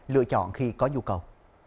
lựa chọn khi có nhu cầu